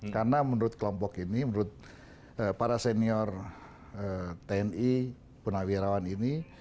karena menurut kelompok ini menurut para senior tni punawirawan ini